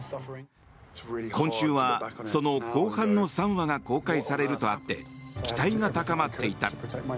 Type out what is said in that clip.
今週は、その後半の３話が公開されるとあって期待が高まっていた。